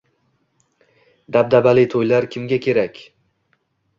Dabdabali to‘ylar kimga kerak?ng